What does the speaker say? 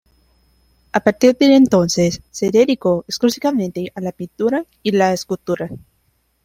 A partir de entonces, se dedicó exclusivamente a la pintura y la escultura.